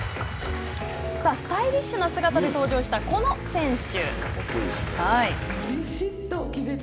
スタイリッシュな姿で登場したこの選手。